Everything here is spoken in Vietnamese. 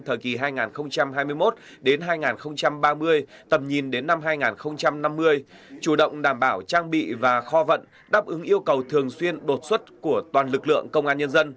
thời kỳ hai nghìn hai mươi một hai nghìn ba mươi tầm nhìn đến năm hai nghìn năm mươi chủ động đảm bảo trang bị và kho vận đáp ứng yêu cầu thường xuyên đột xuất của toàn lực lượng công an nhân dân